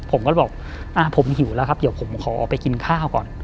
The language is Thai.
ผมก็บอกผมหิวแล้วครับเดี๋ยวผมขอไปกินข้าวก่อน